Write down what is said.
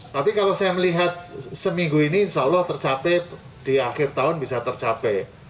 tapi kalau saya melihat seminggu ini insya allah tercapai di akhir tahun bisa tercapai